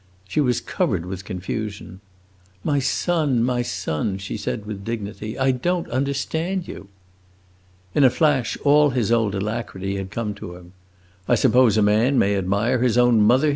She was covered with confusion. "My son, my son," she said with dignity, "I don't understand you." In a flash all his old alacrity had come to him. "I suppose a man may admire his own mother!"